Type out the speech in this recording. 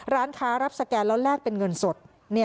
ร้านค้ารับสแกนแล้วแลกเป็นเงินสด